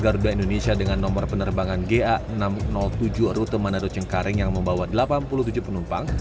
garuda indonesia dengan nomor penerbangan ga enam ratus tujuh rute manado cengkareng yang membawa delapan puluh tujuh penumpang